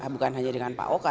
bukan hanya dengan pak oka